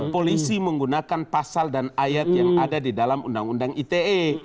polisi menggunakan pasal dan ayat yang ada di dalam undang undang ite